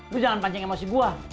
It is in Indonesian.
lo jangan pancing emosi gue